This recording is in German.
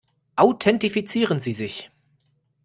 Authentifizieren Sie sich!